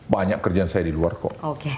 banyak kerjaan saya di luar kok